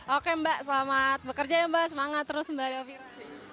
oke mbak selamat bekerja ya mbak semangat terus mbak elvira